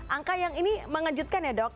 angka yang ini mengejutkan ya dok